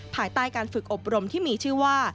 ภายใต้การฝึกอบรมที่มีชื่อว่า